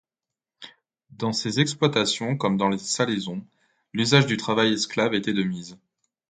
Dans ces exploitations comme dans les salaisons, l'usage du travail esclave était de mise.